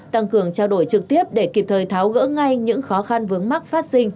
tăng cường trao đổi trực tiếp để kịp thời tháo gỡ ngay những khó khăn vướng mắc phát sinh